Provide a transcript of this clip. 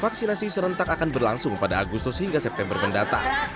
vaksinasi serentak akan berlangsung pada agustus hingga september mendatang